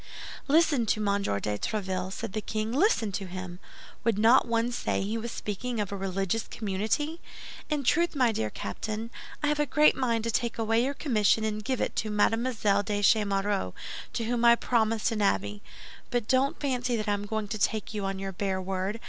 "Listen to Monsieur de Tréville," said the king; "listen to him! Would not one say he was speaking of a religious community? In truth, my dear Captain, I have a great mind to take away your commission and give it to Mademoiselle de Chemerault, to whom I promised an abbey. But don't fancy that I am going to take you on your bare word.